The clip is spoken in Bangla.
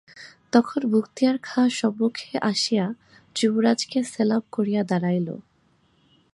তখন মুক্তিয়ার খাঁ সম্মুখে আসিয়া যুবরাজকে সেলাম করিয়া দাঁড়াইল।